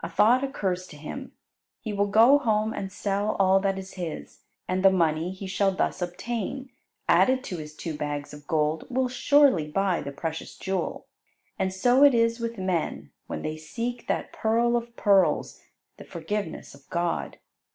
A thought occurs to him. He will go home and sell all that is his, and the money he shall thus obtain, added to his two bags of gold, will surely buy the precious jewel. And so it is with men when they seek that pearl of pearls, the forgiveness of God.